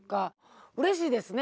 うれしいですね